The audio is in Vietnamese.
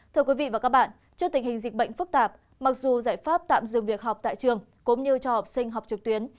thưa quý vị và các bạn trước tình hình dịch bệnh phức tạp mặc dù giải pháp tạm dừng việc học tại trường cũng như cho học sinh học trực tuyến